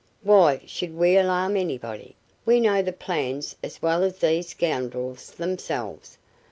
"Why should we alarm anybody? We know the plans as well as these scoundrels themselves.